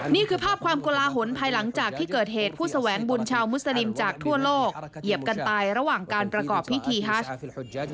นี่คือภาพความกลาหลภายหลังจากที่เกิดเหตุผู้แสวงบุญชาวมุสลิมจากทั่วโลกเหยียบกันไประหว่างการประกอบพิธีฮัช